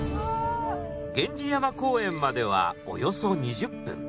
源氏山公園まではおよそ２０分。